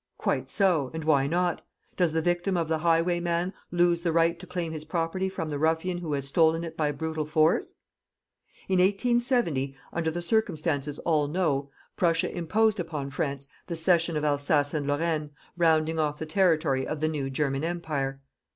Quite so, and why not? Does the victim of the highway man lose the right to claim his property from the ruffian who has stolen it by brutal force? In 1870, under the circumstances all know, Prussia imposed upon France the cession of Alsace and Lorraine, rounding off the territory of the new German Empire.